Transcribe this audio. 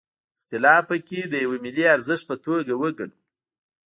اختلاف پکې د یوه ملي ارزښت په توګه وګڼو.